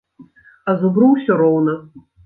А зубру ўсё роўна.